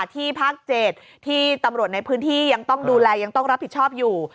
ภาค๗ที่ตำรวจในพื้นที่ยังต้องดูแลยังต้องรับผิดชอบอยู่